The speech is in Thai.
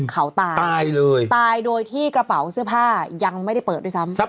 เขาตายตายเลยตายโดยที่กระเป๋าเสื้อผ้ายังไม่ได้เปิดด้วยซ้ำ